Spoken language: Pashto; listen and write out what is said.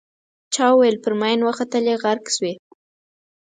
چا ویل پر ماین وختلې غرق شوې.